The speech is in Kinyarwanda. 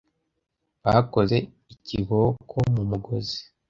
Bakoze ikiboko mu mugozi.